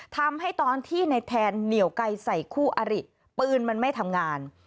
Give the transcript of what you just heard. ทำให้ตอนที่ในแทนเหนียวไกลใส่คู่อริปืนมันไม่ทำงาน